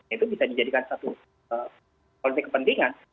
itu bisa dijadikan satu politik kepentingan